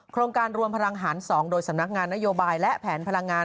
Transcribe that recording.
โครงการรวมพลังหาร๒โดยสำนักงานนโยบายและแผนพลังงาน